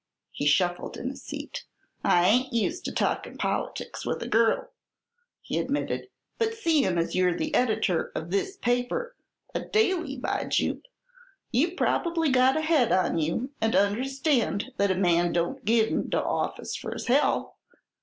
He shuffled in his seat. "I ain't used to talkin' politics with a girl," he admitted; "but seein' as you're the editor of this paper a daily, by Jupe! you've probably got a head on you and understand that a man don't get into office for his health.